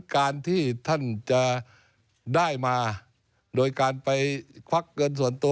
การที่ท่านจะได้มาโดยการไปควักเงินส่วนตัว